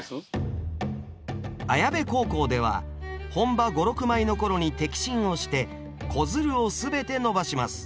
綾部高校では本葉５６枚の頃に摘心をして子づるを全て伸ばします。